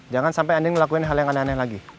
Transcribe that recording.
jangan sampai anda ngelakuin hal yang aneh aneh lagi